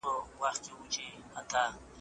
رښتینی تاریخ تر تحریف شویو کیسو ډېر ښه دی.